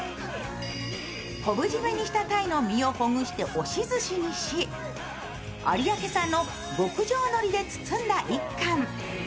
昆布締めにした鯛の身をほぐして押しずしにし、有明さんの極上のりで包んだ一貫。